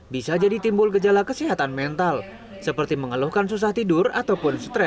bisa jadi timbul gejala kesehatan mental seperti mengeluhkan susah tidur ataupun stres